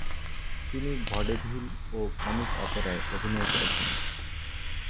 তিনি ভডেভিল ও কমিক অপেরায় অভিনয় করেছেন।